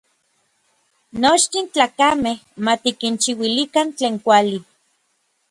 Nochtin tlakamej ma tikinchiuilikan tlen kuali.